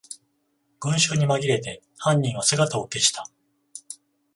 群集にまぎれて犯人は姿を消した